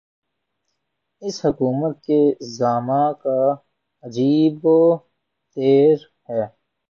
اس حکومت کے زعما کا عجیب وتیرہ ہے۔